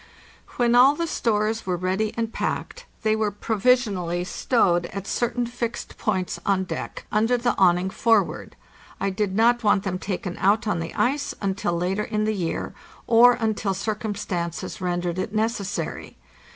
When all the stores were ready and packed, they were pro visionally stowed at certain fixed points on deck, under the awn ing forward. I did not want them taken out on the ice until later in the year, or until circumstances rendered it necessary.